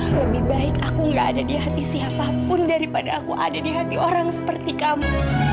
lebih baik aku gak ada di hati siapapun daripada aku ada di hati orang seperti kamu